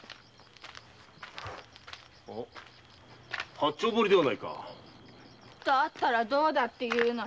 八丁堀ではないか⁉だったらどうだって言うのよ！